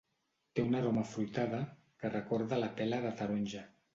Té una aroma afruitada, que recorda a la pela de taronja.